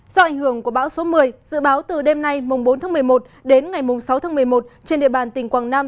do ảnh hưởng của bão số một mươi dự báo từ đêm nay bốn tháng một mươi một đến ngày sáu tháng một mươi một trên địa bàn tỉnh quảng nam